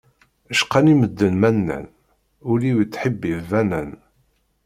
Cqan-i medden ma nnan, ul-iw yettḥibbi lbanan.